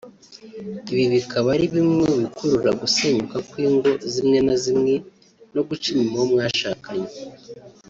ibi bikaba ari na bimwe mu bikurura gusenyuka kw’ingo zimwe na zimwe no guca inyuma uwo mwashakanye